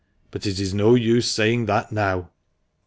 But it is no use saying that now?